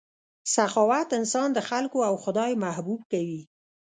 سخاوت انسان د خلکو او خدای محبوب کوي.